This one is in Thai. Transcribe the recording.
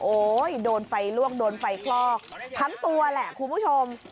โดนไฟลวกโดนไฟคลอกทั้งตัวแหละคุณผู้ชม